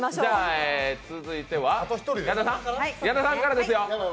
続いては、矢田さんから。